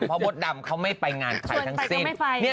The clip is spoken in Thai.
เพราะมดดำเขาไม่ไปงานใครทั้งสิ้น